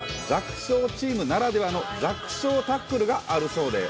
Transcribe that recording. そんなチームには、弱小チームならではの弱小タックルがあるそうで。